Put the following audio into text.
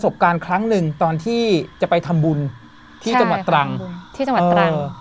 บการณ์ครั้งหนึ่งตอนที่จะไปทำบุญที่จังหวัดตรังที่จังหวัดตรัง